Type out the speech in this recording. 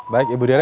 baik ibu diana